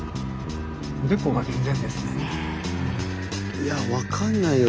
いや分かんないよ